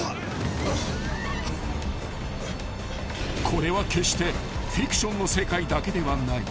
［これは決してフィクションの世界だけではない］